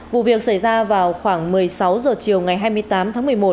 vụ việc xảy ra vào khoảng một mươi sáu h chiều ngày hai mươi tám tháng một mươi một